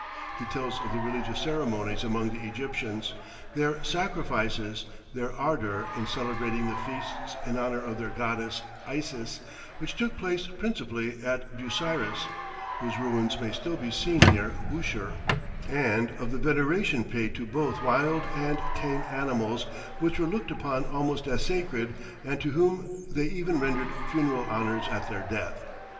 He tells of the religious ceremonies among the Egyptians, their sacrifices, their ardour in celebrating the feasts in honour of their goddess Isis, which took place principally at Busiris (whose ruins may still be seen near Bushir), and of the veneration paid to both wild and tame animals, which were looked upon almost as sacred, and to whom they even rendered funeral honours at their death.